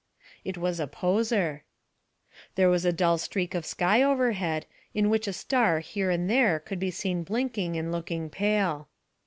It was a poser. There was a dull streak of sky overhead, in which a star here and there could be seen blinking and looking pale.